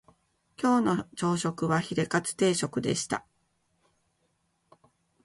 今日の朝食はヒレカツ定食でした